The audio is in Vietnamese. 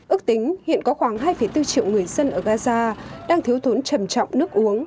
ước tính hiện có khoảng hai bốn triệu người dân ở gaza đang thiếu thốn trầm trọng nước uống